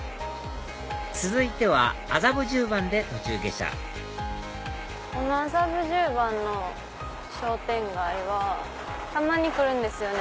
続いては麻布十番で途中下車麻布十番の商店街はたまに来るんですよね。